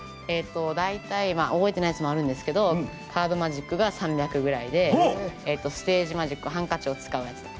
大体、覚えてないやつもあるんですけど、カードマジックが３００ぐらいでステージマジックハンカチを使うやつとか